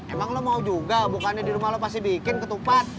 emang lo mau juga bukannya di rumah lo pasti bikin ketupat